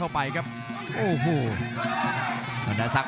รับทราบบรรดาศักดิ์